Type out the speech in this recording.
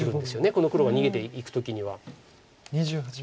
この黒が逃げていく時には。